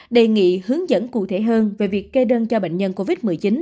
đề nghị hướng dẫn cụ thể hơn về việc kê đơn cho bệnh nhân covid một mươi chín